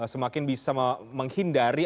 semakin bisa menghindari